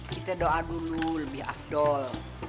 kita doa dulu lebih afdol